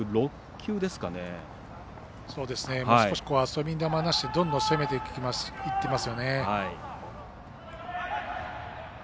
少し遊び球なしでどんどん攻めていっていますよね。